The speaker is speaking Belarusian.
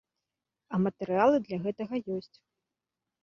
А матэрыялы для гэтага ёсць.